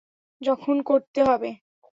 যখন করতে হবে।